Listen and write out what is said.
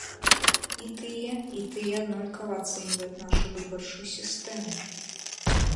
І тыя, і тыя аднолькава ацэньваюць нашу выбарчую сістэму.